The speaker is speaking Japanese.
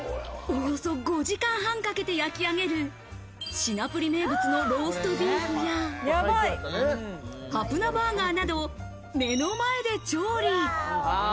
およそ５時間半かけて焼き上げる品プリ名物のローストビーフやハプナバーガーなどを目の前で調理。